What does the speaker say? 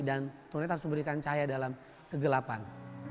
dan tuhan ritra harus memberikan cahaya dalam kegelapan